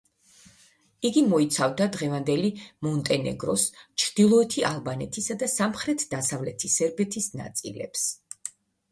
იგი მოიცავდა დღევანდელი მონტენეგროს, ჩრდილოეთი ალბანეთისა და სამხრეთ-დასავლეთი სერბეთის ნაწილებს.